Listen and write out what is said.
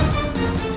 sudah mau mati saya